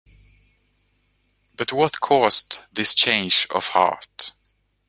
But what caused this change of heart?